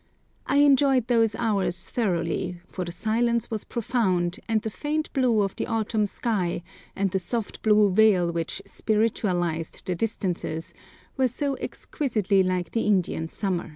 I enjoyed those hours thoroughly, for the silence was profound, and the faint blue of the autumn sky, and the soft blue veil which "spiritualised" the distances, were so exquisitely like the Indian summer.